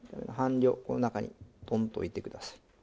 半量この中にトンと置いてください。